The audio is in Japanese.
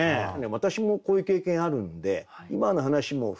私もこういう経験あるんで今の話も含めて